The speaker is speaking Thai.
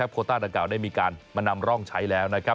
โคต้าตะกาวได้มีการมานำร่องใช้แล้ว